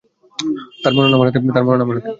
তার মরন আমার হাতে, তার মরন আমার হাতে।